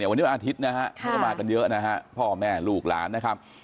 วันนี้วันอาทิตย์มากันเยอะนะคะพ่อแม่ลูกหลานนะครับ